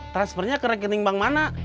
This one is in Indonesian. transfernya ke rekening bank mana